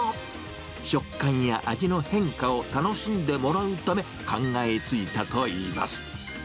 食感や味の変化を楽しんでもらうため、考えついたといいます。